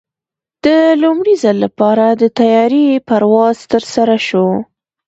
د لومړي ځل لپاره د طیارې پرواز ترسره شو.